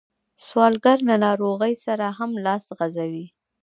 سوالګر له ناروغۍ سره هم لاس غځوي